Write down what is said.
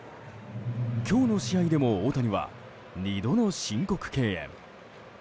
今日の試合でも大谷は２度の申告敬遠。